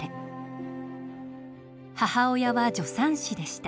母親は助産師でした。